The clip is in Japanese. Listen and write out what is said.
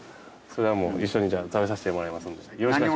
それはもう一緒に食べさせてもらいますので。